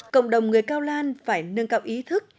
cộng đồng người cao lan phải nâng cao ý thức